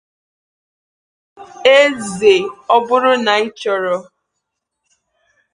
King, if you wish.